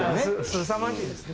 すさまじいですね。